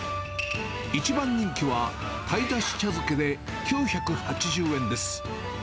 一番人気は、鯛だし茶漬けで９８０円です。